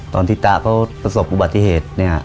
ตอนที่ตาเขาประสบอุบัติเหตุเนี่ย